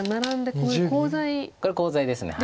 これコウ材です。